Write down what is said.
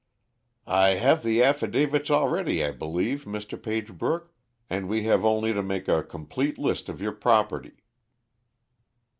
"I have the affidavits all ready, I believe, Mr. Pagebrook, and we have only to make a complete list of your property."